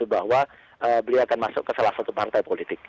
bahwa beliau akan masuk ke salah satu partai politik